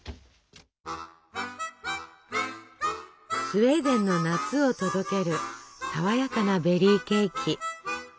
スウェーデンの夏を届ける爽やかなベリーケーキ。